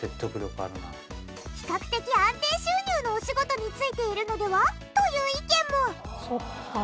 比較的安定収入のお仕事に就いているのでは？という意見も。